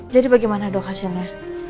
jadi bagaimana dok hasilnya